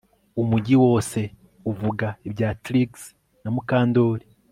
Umujyi wose uvuga ibya Trix na Mukandoli